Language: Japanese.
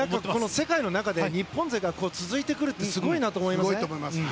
世界の中で日本勢が続いてくるってすごいなと思います。